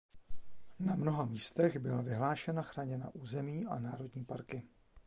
Na mnoha místech byla vyhlášena chráněná území a národní parky.